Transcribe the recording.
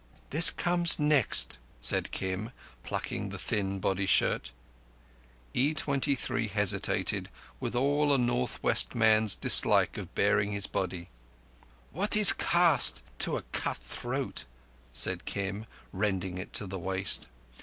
"This comes next," said Kim, plucking the thin body shirt. E23 hesitated, with all a North West man's dislike of baring his body. "What is caste to a cut throat?" said Kim, rending it to the waist.